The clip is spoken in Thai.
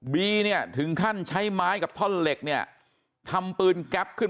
บีเนี่ยถึงขั้นใช้ไม้กับท่อนเหล็กเนี่ยทำปืนแก๊ปขึ้น